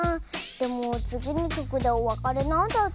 でもつぎのきょくでおわかれなんだズー。